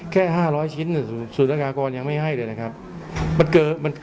แค่ห้าร้อยชิ้นสูตรหน้ากากรยังไม่ให้เลยนะครับมันเกิดมัน